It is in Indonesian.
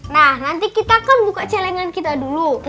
nah nanti kita akan buka celengan kita dulu